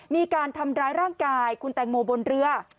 มีการทำร้ายร่างกายคุณแตงโมบนเรือ